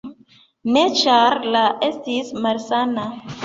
Ne, ĉar la estis malsana.